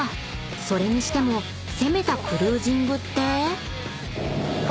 ［それにしても攻めたクルージングって？］